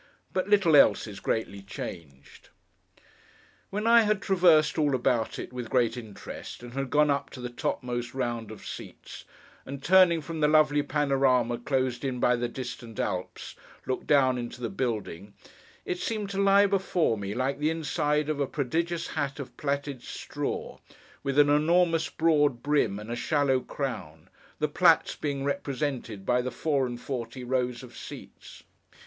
But little else is greatly changed. When I had traversed all about it, with great interest, and had gone up to the topmost round of seats, and turning from the lovely panorama closed in by the distant Alps, looked down into the building, it seemed to lie before me like the inside of a prodigious hat of plaited straw, with an enormously broad brim and a shallow crown; the plaits being represented by the four and forty rows of seats.